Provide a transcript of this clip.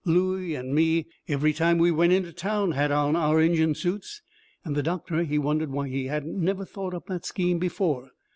Looey and me, every time we went into town, had on our Injun suits, and the doctor, he wondered why he hadn't never thought up that scheme before.